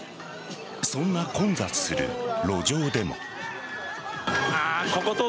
そんな混雑する路上でも。